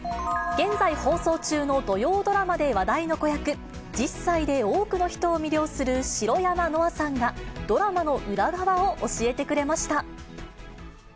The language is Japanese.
現在、放送中の土曜ドラマで話題の子役、１０歳で多くの人を魅了する白山乃愛さんがドラマの裏側を教えてくれました。